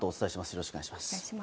よろしくお願いします。